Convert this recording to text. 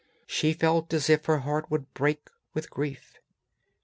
She felt as if her heart would break with grief.